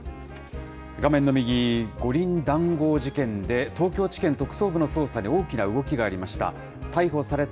画面の右、五輪談合事件で、東京地検特捜部の捜査に大きな動きがありました。